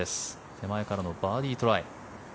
手前からのバーディートライ。